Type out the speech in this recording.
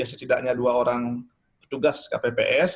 setidaknya dua orang petugas kpps